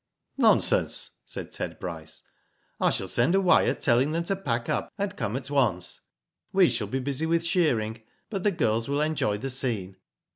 " Nonsense," said Ted Bryce. " I shall send a wire, telling them to pack up and come at once. We shall be busy with shearing, but the girls will enjoy the scene."